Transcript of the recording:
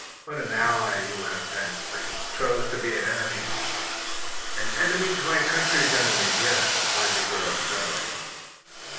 What an ally you would have been! But you chose to be an enemy." "An enemy to my country's enemies, yes," replied the girl, steadily.